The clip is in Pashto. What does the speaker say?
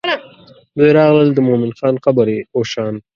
دوی راغلل د مومن خان قبر یې وشان.